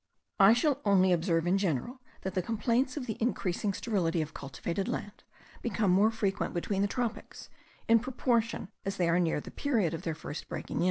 I shall only observe in general, that the complaints of the increasing sterility of cultivated land become more frequent between the tropics, in proportion as they are near the period of their first breaking up.